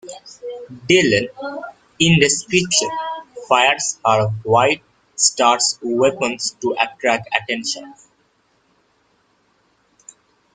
Delenn, in desperation, fires her White Star's weapons to attract attention.